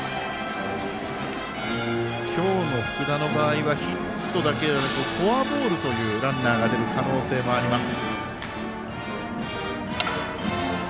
今日の福田の場合はヒットだけではなくフォアボールというランナーがでる可能性もあります。